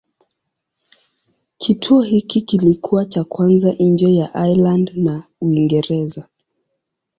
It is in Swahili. Kituo hiki kilikuwa cha kwanza nje ya Ireland na Uingereza.